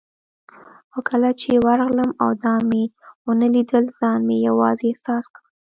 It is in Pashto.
خو کله چې ورغلم او دا مې ونه لیدل، ځان مې یوازې احساس کړ.